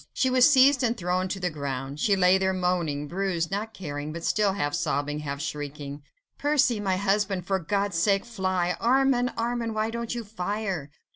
She was seized and thrown to the ground. She lay there moaning, bruised, not caring, but still half sobbing, half shrieking,— "Percy, my husband, for God's sake fly! Armand! Armand! why don't you fire?"